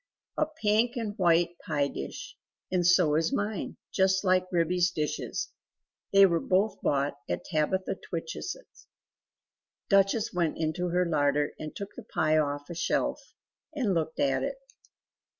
A pink and white pie dish! and so is mine; just like Ribby's dishes; they were both bought at Tabitha Twitchit's." Duchess went into her larder and took the pie off a shelf and looked at it.